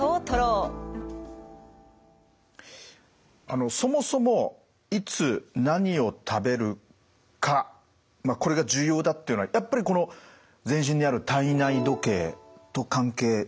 あのそもそもいつ何を食べるかこれが重要だっていうのはやっぱりこの全身にある体内時計と関係してますか？